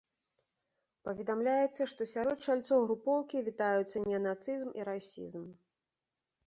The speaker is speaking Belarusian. Паведамляецца, што сярод чальцоў групоўкі вітаюцца неанацызм і расізм.